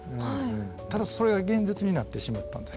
ただそれが現実になってしまったんですけど。